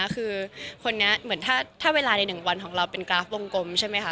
คือคนนี้เหมือนถ้าเวลาใน๑วันของเราเป็นกราฟวงกลมใช่ไหมคะ